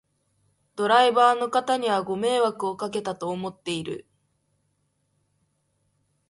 ドライバーの方にはご迷惑をかけたと思っている